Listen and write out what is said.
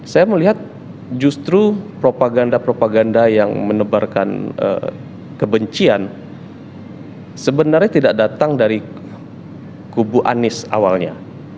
saya melihat justru propaganda propaganda yang menebarkan kebencian sebenarnya tidak datang dari kubu anies awalnya